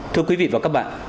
thưa quý vị và các bạn